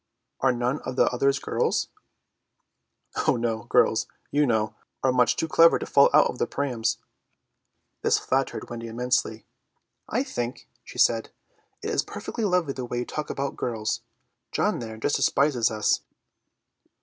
"Are none of the others girls?" "Oh, no; girls, you know, are much too clever to fall out of their prams." This flattered Wendy immensely. "I think," she said, "it is perfectly lovely the way you talk about girls; John there just despises us."